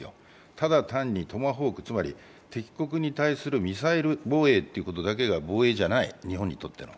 ただ単にトマホーク、つまり敵国に対するミサイル防衛ということだけが防衛じゃない、日本にとっては。